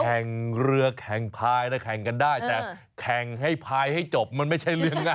แข่งเรือแข่งพายนะแข่งกันได้แต่แข่งให้ภายให้จบมันไม่ใช่เรื่องง่าย